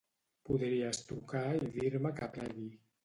Podries trucar i dir-me que plegui